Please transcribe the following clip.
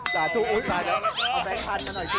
เอาแบงค์พันมาหน่อย